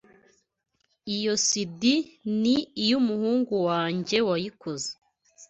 Iyo CD ni iyumuhungu wanjye wayikoze